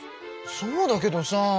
そうだけどさ。